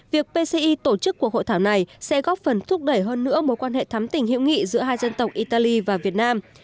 việc pci tổ chức cuộc hội thảo này sẽ góp phần thúc đẩy hơn nữa mối quan hệ thắm tình hữu nghị giữa hai dân tộc italy và việt nam